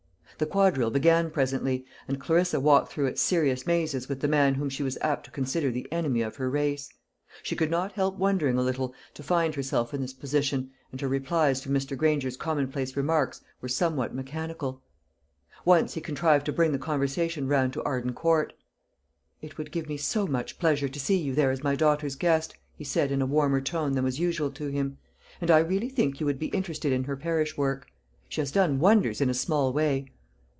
The quadrille began presently, and Clarissa walked through its serious mazes with the man whom she was apt to consider the enemy of her race. She could not help wondering a little to find herself in this position, and her replies to Mr. Granger's commonplace remarks were somewhat mechanical. Once he contrived to bring the conversation round to Arden Court. "It would give me so much pleasure to see you there as my daughter's guest," he said, in a warmer tone than was usual to him, "and I really think you would be interested in her parish work. She has done wonders in a small way."